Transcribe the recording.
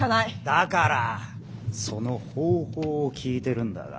だからその方法を聞いてるんだが？